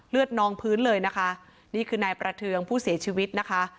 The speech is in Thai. นองพื้นเลยนะคะนี่คือนายประเทืองผู้เสียชีวิตนะคะ